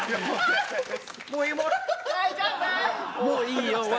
もういいよ。